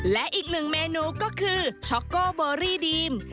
และอีกหนึ่งเมนูก็คือช็อกโก้เบอรี่ดีม